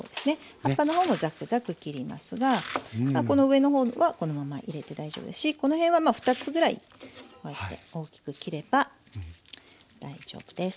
葉っぱの方もザクザク切りますが上の方はこのまま入れて大丈夫だしこの辺は２つぐらいこうやって大きく切れば大丈夫です。